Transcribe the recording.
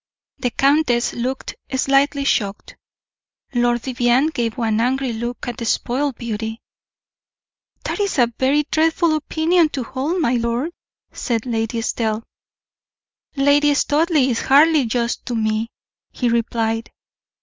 The countess looked slightly shocked. Lord Vivianne gave one angry look at the spoiled beauty. "That is a very dreadful opinion to hold, my lord," said Lady Estelle. "Lady Studleigh is hardly just to me," he replied.